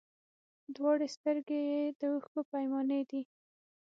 دواړي سترګي یې د اوښکو پیمانې دي